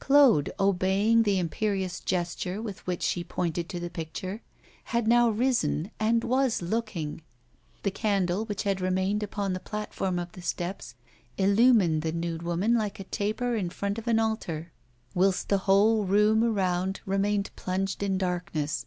Claude, obeying the imperious gesture with which she pointed to the picture, had now risen and was looking. The candle, which had remained upon the platform of the steps, illumined the nude woman like a taper in front of an altar, whilst the whole room around remained plunged in darkness.